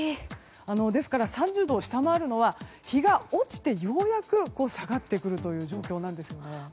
ですから、３０度を下回るのは日が落ちてようやく下がってくるという状況なんですよね。